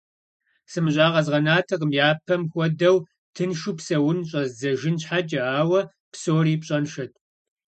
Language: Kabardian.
СымыщӀа къэзгъэнатэкъым япэм хуэдэу тыншу псэун щӀэздзэжын щхьэкӀэ, ауэ псори пщӀэншэт.